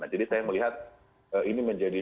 jadi saya melihat ini menjadi